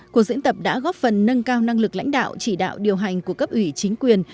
cuộc diễn tập đã góp phần nâng cao năng lực lãnh đạo chỉ đạo điều hành của cấp ủy chính quyền